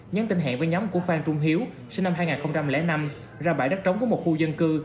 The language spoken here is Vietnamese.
nhắn tin hẹn với nhóm của phan trung hiếu sinh năm hai nghìn năm ra bãi đất trống của một khu dân cư